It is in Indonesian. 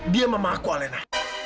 dia mama aku alena